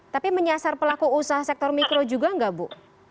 tapi menyasar pelaku usaha sektor mikro juga nggak bu